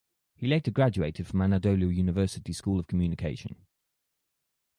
He later graduated from Anadolu University School of Communication.